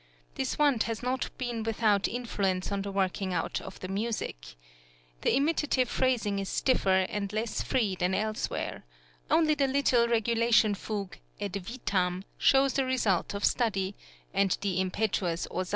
This want has not been without influence on the working out of the music. The imitative phrasing is stiffer and less free than elsewhere; only the little regulation fugue "Et vitam" shows the result of study; and the impetuous Osanna {FIRST MASS IN G MAJOR.